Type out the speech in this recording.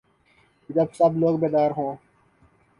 جب سب لوگ بیدار ہو